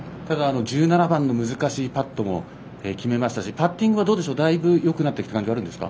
１７番の難しいパットも決めましたしパッティングはだいぶよくなってきた感じはあるんですか。